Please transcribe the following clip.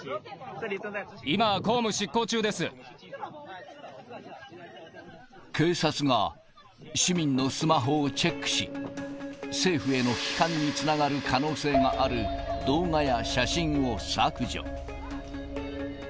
今、警察が市民のスマホをチェックし、政府への批判につながる可能性がある動画や写真を削除。